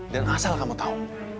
dan asal kamu tahu